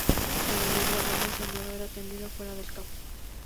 Además, Galván lesionado era atendido fuera del campo.